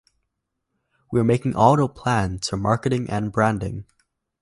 We're making all the plans for marketing and branding.